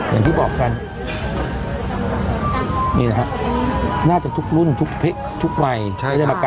อย่างที่บอกกันน่าจะทุกรุ่นทุกพฤติทุกวัยได้มากราบละ